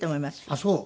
あっそう。